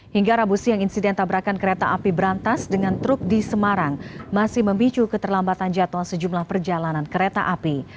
hingga rabu siang insiden tabrakan kereta api berantas dengan truk di semarang masih memicu keterlambatan jadwal sejumlah perjalanan kereta api